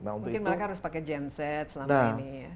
mungkin mereka harus pakai genset selama ini ya